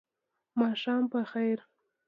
ماښام په خیر !